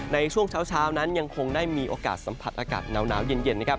ในช่วงเช้านั้นยังคงได้มีโอกาสสัมผัสอากาศหนาวเย็นนะครับ